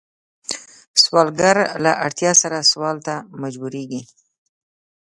سوالګر له اړتیا سره سوال ته مجبوریږي